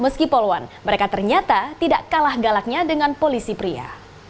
meski poluan mereka ternyata tidak kalah galaknya dengan polisi pria